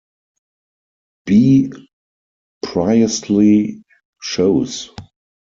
B. Priestley shows.